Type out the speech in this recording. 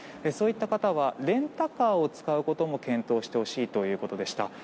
そういった方はレンタカーを使うことも検討してほしいということでした。